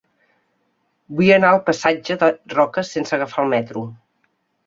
Vull anar al passatge de Roca sense agafar el metro.